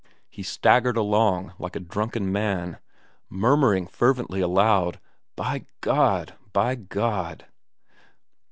He staggered along like a drunken man, murmuring fervently aloud: "By God! By God!"